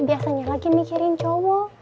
biasanya lagi mikirin cowo